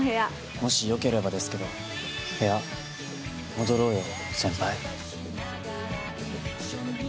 もし良ければですけど部屋戻ろうよ、先輩。